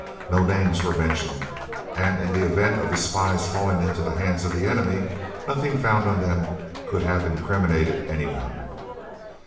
No names were mentioned, and in the event of the spies falling into the hands of the enemy, nothing found on them could have incriminated any one.